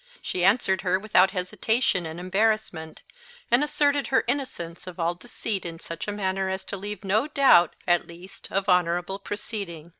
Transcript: She answered her without hesitation and embarrassment, and asserted her innocence of all deceit in such a manner as to leave no doubt at least of honourable proceeding.